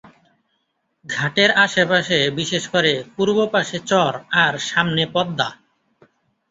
ঘাটের আশপাশে বিশেষ করে পূর্ব পাশে চর আর সামনে পদ্মা।